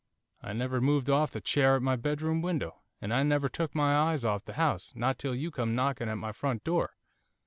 I never moved off the chair at my bedroom window, and I never took my eyes off the house, not till you come knocking at my front door.